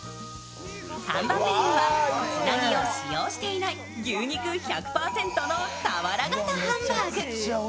看板メニューは、つなぎを使用していない牛肉１００％の俵型ハンバーグ。